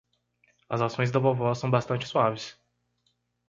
As ações da vovó são bastante suaves